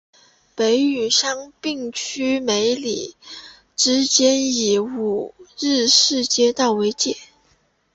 北与杉并区梅里之间以五日市街道为界。